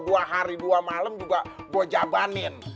dua hari dua malam juga gue jabanin